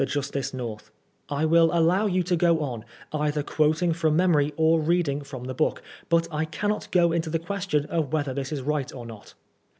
Justice North : I wiU allow you to go on, either quoting from memory or reading from the book ; but I cannot go into the question of whether this is right or not.